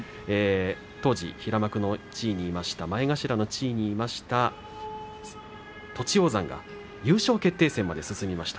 当時、平幕の地位にいました前頭の地位にいました栃煌山が優勝決定戦まで進みました。